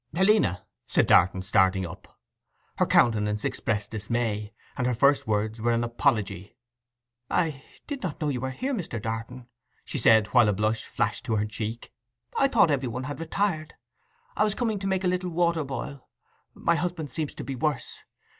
'Helena!' said Darton, starting up. Her countenance expressed dismay, and her first words were an apology. 'I—did not know you were here, Mr. Darton,' she said, while a blush flashed to her cheek. 'I thought every one had retired—I was coming to make a little water boil; my husband seems to be worse.